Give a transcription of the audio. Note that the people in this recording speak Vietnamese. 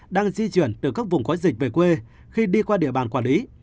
đang di chuyển từ các vùng có dịch về quê khi đi qua địa bàn quản lý